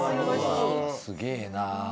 すげえなぁ。